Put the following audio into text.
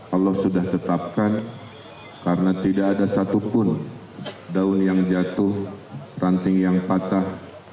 allah sudah tetapkan karena tidak ada satupun daun yang jatuh ranting yang patah